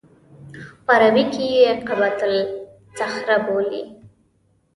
په عربي کې یې قبة الصخره بولي.